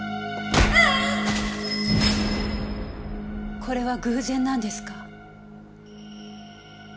これは偶然なんですか？